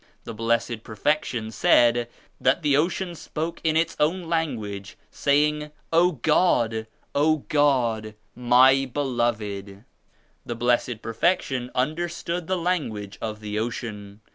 The Blessed Perfection said that the ocean spoke in its own language saying *0 God I O God! My Beloved!' The Blessed Perfection understood the language of the ocean.